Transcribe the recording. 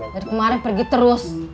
dari kemarin pergi terus